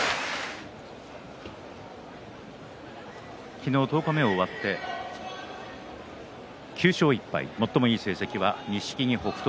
昨日十日目を終わって９勝１敗、最もいい成績は錦木、北勝